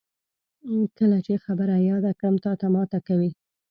کله چې خبره یاده کړم، تاته ماته کوي.